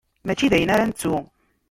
Mačči dayen ara nettu.